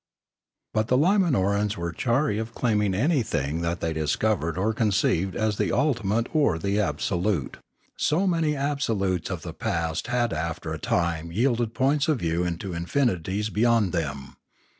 But the Limanorans were chary of claiming anything that they discovered or conceived as the ultimate or the absolute; so many absolutes of the past had after a Religion 691 time yielded points of view into infinities beyond tbem.